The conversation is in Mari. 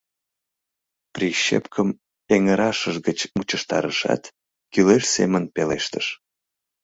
Прищепкым эҥырашыж гыч мучыштарышат, кӱлеш семын пелештыш: